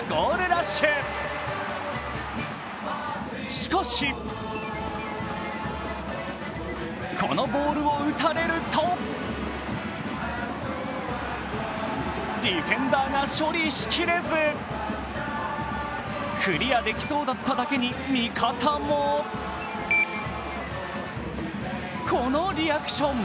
しかし、このボールを打たれるとディフェンダーが処理しきれずクリアできそうだったのに味方もこのリアクション。